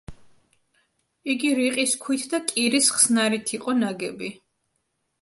იგი რიყის ქვით და კირის ხსნარით იყო ნაგები.